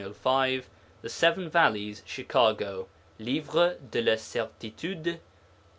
The Seven Valleys. Chicago. _Livre de la Certitude.